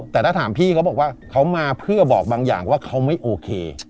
แต่ถ้าถามพี่เขาบอกว่าเขามาเพื่อบอกบางอย่างว่าเขาไม่โอเค